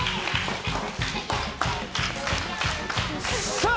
さあ！